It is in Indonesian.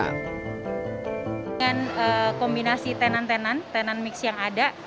dengan kombinasi tenan tenan tenan mix yang ada